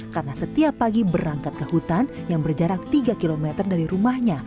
karena setiap pagi berangkat ke hutan yang berjarak tiga km dari rumahnya